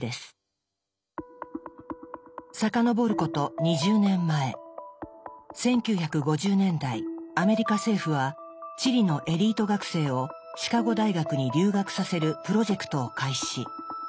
遡ること２０年前１９５０年代アメリカ政府はチリのエリート学生をシカゴ大学に留学させるプロジェクトを開始。